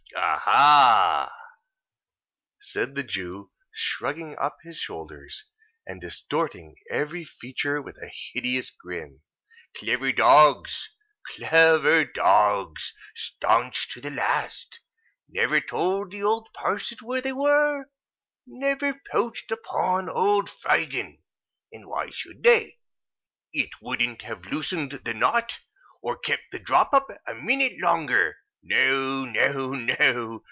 "Aha!" said the Jew, shrugging up his shoulders, and distorting every feature with a hideous grin. "Clever dogs! Clever dogs! Staunch to the last! Never told the old parson where they were. Never poached upon old Fagin! And why should they? It wouldn't have loosened the knot, or kept the drop up, a minute longer. No, no, no!